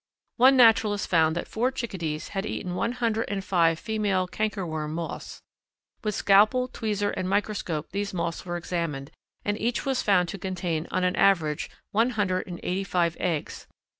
One naturalist found that four Chickadees had eaten one hundred and five female cankerworm moths. With scalpel, tweezers, and microscope these moths were examined, and each was found to contain on an average one hundred and eighty five eggs.